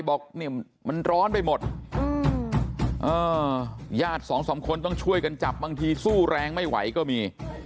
บอกเนี่ยมันร้อนไปหมดญาติสองสามคนต้องช่วยกันจับบางทีสู้แรงไม่ไหวก็มี